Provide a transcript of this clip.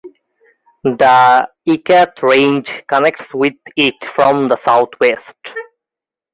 The Ikat Range connects with it from the southwest.